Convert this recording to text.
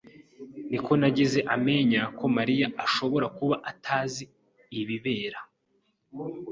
Nikonagize amenya ko Mariya ashobora kuba atazi ibibera.